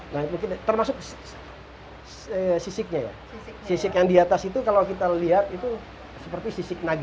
nah mungkin termasuk sisiknya ya sisik yang di atas itu kalau kita lihat itu seperti sisik naga